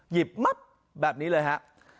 หยิบมับแบบนี้เลยฮะ